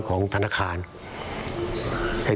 แต่ก็ยังแปลกใจแปลกใจมากเลยแหละ